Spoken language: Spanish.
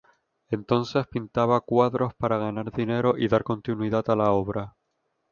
Entonces pintaba cuadros para ganar dinero y dar continuidad a la obra".